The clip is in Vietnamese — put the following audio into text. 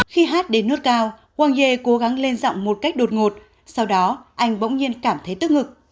khi hát đến nút cao wang ye cố gắng lên giọng một cách đột ngột sau đó anh bỗng nhiên cảm thấy tức ngực